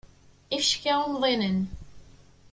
Ifecka umḍinen.